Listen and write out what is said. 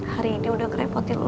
hari ini udah kerepotin loh